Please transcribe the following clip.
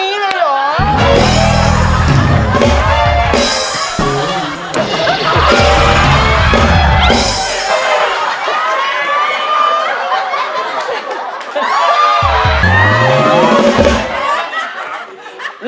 อืม